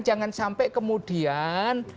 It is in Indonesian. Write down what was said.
jangan sampai kemudian